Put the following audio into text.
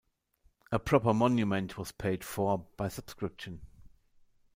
A proper monument was paid for by subscription.